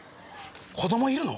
子供いるの？